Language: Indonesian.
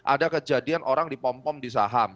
ada kejadian orang dipompom di saham